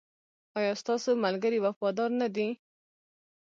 ایا ستاسو ملګري وفادار نه دي؟